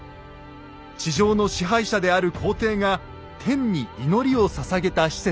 地上の支配者である皇帝が天に祈りをささげた施設です。